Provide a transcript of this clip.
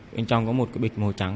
bên trong có một cái bịch màu trắng